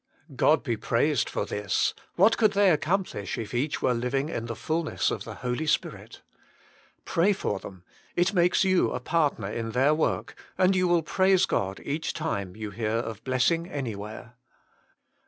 God be praised for this ! What could they accomplish if each were living in the fulness of the Holy Spirit ! Pray for them ; it makes you a partner in their work, and you will praise God each time you hear of blessing anywhere.